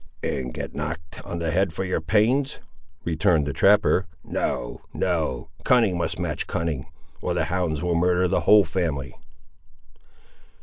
"And get knocked on the head for your pains," returned the trapper. "No, no; cunning must match cunning, or the hounds will murder the whole family."